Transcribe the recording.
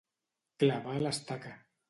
Clavar l'estaca.